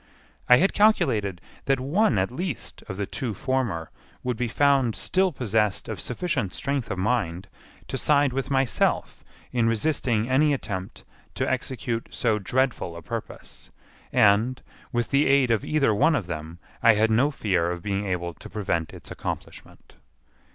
I had calculated that one at least of the two former would be found still possessed of sufficient strength of mind to side with myself in resisting any attempt to execute so dreadful a purpose, and, with the aid of either one of them, I had no fear of being able to prevent its accomplishment.